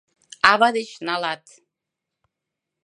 Ава деч налат